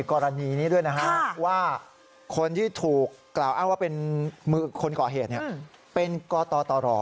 คนที่ถูกกล่าวว่าเป็นคนก่อเหตุเป็นกตร